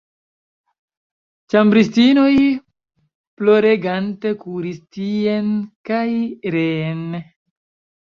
Ĉambristinoj ploregante kuris tien kaj reen.